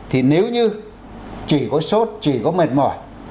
thì nếu như chỉ có sốt chỉ có mệt mỏi